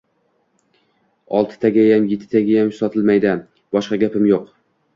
– Oltitagayam, yettitagayam sotilmaydi! Boshqa gapim yo‘q!